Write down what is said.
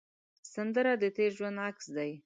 سندره د تېر ژوند عکس دی